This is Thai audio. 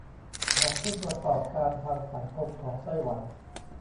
ของผู้ประกอบการทางสังคมของไต้หวัน